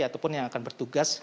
atau yang akan bertugas di wisma